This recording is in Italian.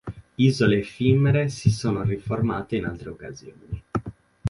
Isole effimere si sono riformate in altre occasioni.